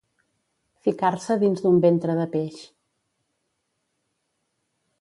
Ficar-se dins d'un ventre de peix.